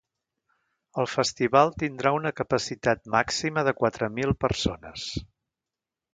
El festival tindrà una capacitat màxima de quatre mil persones.